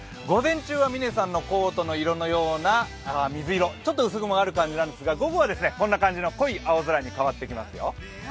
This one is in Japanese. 午前中は嶺さんのコートの色のようなちょっと薄雲がある感じなんですが、午後はこんな感じの濃い藍色に変わってきますよ。